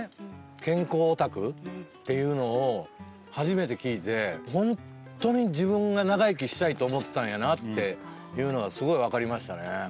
健康オタクっていうのを初めて聞いて本当に自分が長生きしたいと思ってたんやなっていうのがすごい分かりましたね。